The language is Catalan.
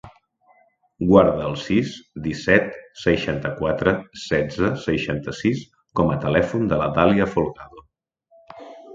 Guarda el sis, disset, seixanta-quatre, setze, seixanta-sis com a telèfon de la Dàlia Folgado.